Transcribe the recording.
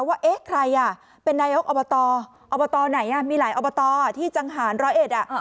ว่าเอ๊ะใครอ่ะเป็นนายกอบตอบตไหนมีหลายอบตที่จังหารร้อยเอ็ดอ่ะ